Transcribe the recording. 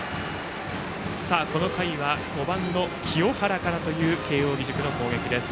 この回は５番の清原からという慶応義塾の攻撃です。